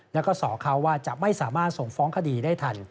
แล้วก็สอเขาว่าจะไม่สามารถส่งฟ้องคดีได้ทัน